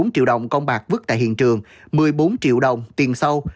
hai trăm hai mươi bốn triệu đồng công bạc vứt tại hiện trường một mươi bốn triệu đồng tiền sâu